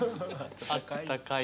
あったかい。